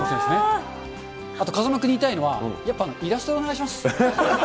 あと風間君に言いたいのは、やっぱイラストでお願いします。